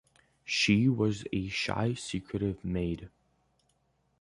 She was a shy, secretive maid.